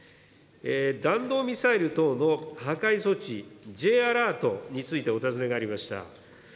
弾道ミサイル等の破壊措置、Ｊアラートについてお尋ねがありました。